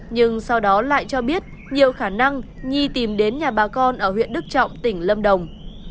nhưng sau đó lại cho biết nhiều khả năng nhi tìm đến nhà bà con ở huyện đức trọng tỉnh lâm đồng